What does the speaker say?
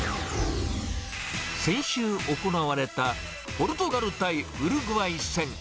先週行われたポルトガル対ウルグアイ戦。